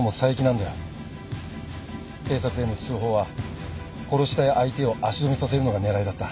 警察への通報は殺したい相手を足止めさせるのが狙いだった。